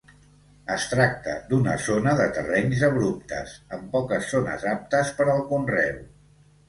Es tracta d'una zona de terrenys abruptes, amb poques zones aptes per al conreu.